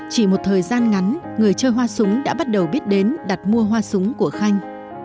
chỉ một thời gian ngắn người chơi hoa súng đã bắt đầu biết đến đặt mua hoa súng của khanh